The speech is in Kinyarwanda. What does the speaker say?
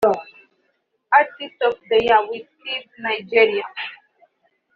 Artist of the Year -Wizkid (Nigeria)